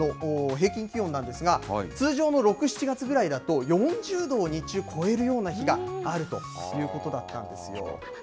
これ、ドーハの平均気温なんですが、通常の６、７月ぐらいだと４０度を日中、超えるような日があるということだったんですよ。